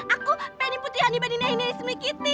aku penny putihani penny nenek ismi kitty